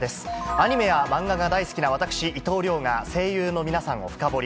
アニメや漫画が大好きな私、伊藤遼が声優の皆さんを深掘り。